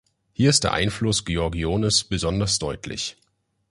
Hier ist der Einfluss Giorgiones besonders deutlich.